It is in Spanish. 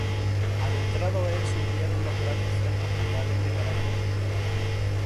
Adentrado el surgieron los grandes frescos murales, de carácter popular.